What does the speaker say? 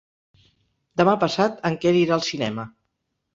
Demà passat en Quer irà al cinema.